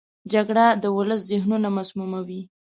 جګړه د ولس ذهنونه مسموموي